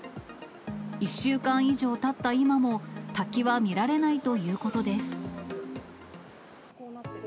１週間以上たった今も、滝は見られないということです。